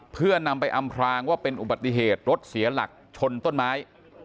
เพื่อนำไปอำพรางว่าเป็นอุบัติเหตุรถเสียหลักชนต้นไม้